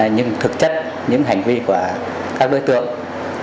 nhưng thực chất những hành vi quan tâm giáo dục của gia đình đều nói là con em rất là ngoan hiền